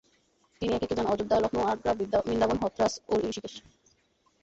তিনি একে একে যান অযোধ্যা, লখনউ, আগ্রা, বৃন্দাবন, হথরাস ও হৃষিকেশে।